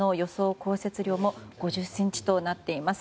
降雪量も５０ｃｍとなっています。